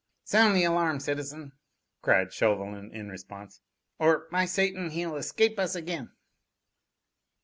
"Sound the alarm, citizen!" cried Chauvelin in response. "Or, by Satan, he'll escape us again!"